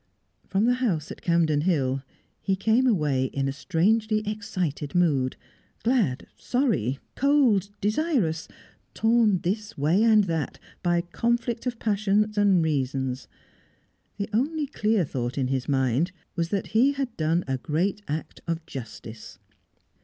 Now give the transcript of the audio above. From the house at Campden Hill he came away in a strangely excited mood; glad, sorry; cold, desirous; torn this way and that by conflict of passions and reasons. The only clear thought in his mind was that he had done a great act of justice.